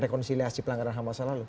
rekonsiliasi pelanggaran ham masa lalu